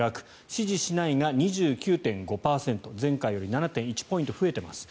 支持しないが２９．５％前回より７．１ポイント増えています。